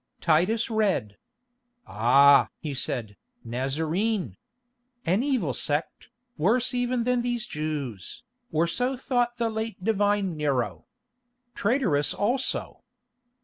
Titus read. "Ah!" he said, "Nazarene. An evil sect, worse even than these Jews, or so thought the late divine Nero. Traitress also.